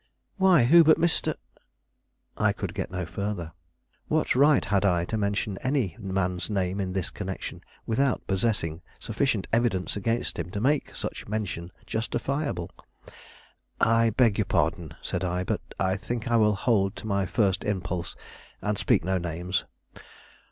"Why, who but Mr. " I could get no further. What right had I to mention any man's name in this connection, without possessing sufficient evidence against him to make such mention justifiable? "I beg your pardon," said I; "but I think I will hold to my first impulse, and speak no names."